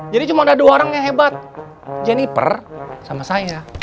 jadi cuma ada dua orang yang hebat jeniper sama saya